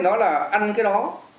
nó là ăn cái đó